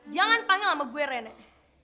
jangan panggil sama gue rene